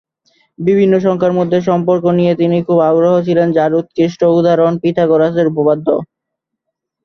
বিভিন্ন সংখ্যার মধ্যে সম্পর্ক নিয়ে তিনি খুব আগ্রহী ছিলেন যার উৎকৃষ্ট উদাহরণ পিথাগোরাসের উপপাদ্য।